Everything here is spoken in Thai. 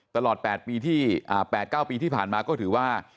ตลอด๘๙ปีที่ผ่านมาก็ถือว่า